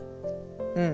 うん。